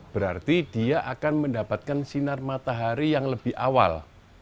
berarti dia akan mendapatkan sinar matahari yang lebih awal